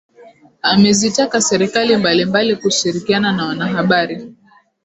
amezitaka serikali mbalimbali kushirikiana na wanahabari